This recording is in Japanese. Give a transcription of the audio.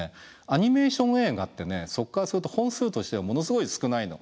アニメーション映画ってそこからすると本数としてはものすごい少ないの。